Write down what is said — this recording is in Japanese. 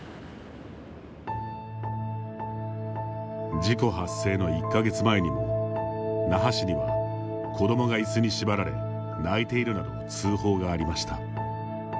事故発生の１か月前にも那覇市には子どもがいすに縛られ泣いているなど通報がありました。